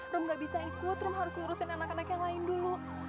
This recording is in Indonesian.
rum gak bisa ikut rum harus ngurusin anak anak yang lain dulu